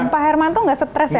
pak herman itu nggak stress ya